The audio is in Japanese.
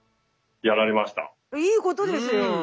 いいことですよ。